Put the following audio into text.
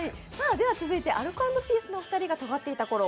続いてアルコ＆ピースのお二人がとがっていたころ